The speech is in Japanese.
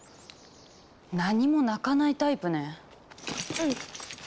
何も鳴かないタイプね。